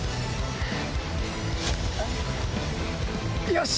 よし！